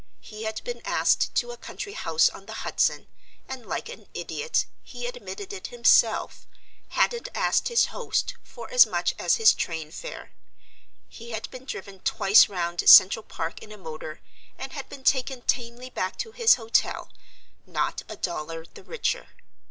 He had been asked to a country house on the Hudson, and, like an idiot he admitted it himself hadn't asked his host for as much as his train fare. He had been driven twice round Central Park in a motor and had been taken tamely back to his hotel not a dollar the richer.